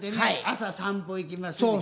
朝散歩行きますねん。